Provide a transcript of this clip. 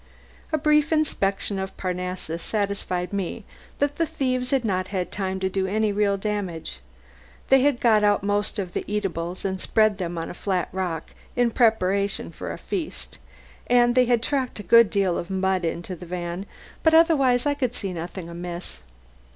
A brief inspection of Parnassus satisfied me that the thieves had not had time to do any real damage. They had got out most of the eatables and spread them on a flat rock in preparation for a feast; and they had tracked a good deal of mud into the van; but otherwise I could see nothing amiss.